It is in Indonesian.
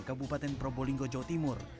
kabupaten probolinggo jawa timur